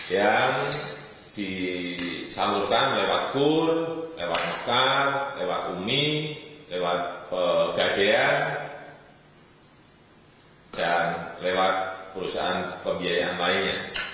yang disambungkan lewat kul lewat mekat lewat umi lewat gadea dan lewat perusahaan pembiayaan lainnya